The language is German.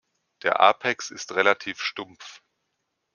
Der Apex ist relativ stumpf.